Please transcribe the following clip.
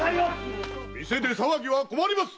店で騒ぎは困ります！